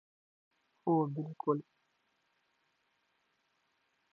ماشومان په لوبو کې تصمیم نیونه زده کوي.